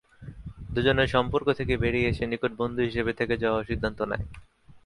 দু’জনে সম্পর্ক থেকে বেরিয়ে এসে নিকট বন্ধু হিসেবে থেকে যাওয়ার সিদ্ধান্ত নেয়।